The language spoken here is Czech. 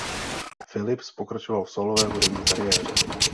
Phillips pokračoval v sólové hudební kariéře.